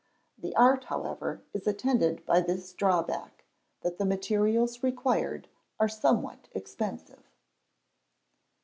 The art, however, is attended by this draw back that the materials required are somewhat expensive.